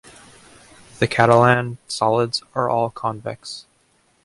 The Catalan solids are all convex.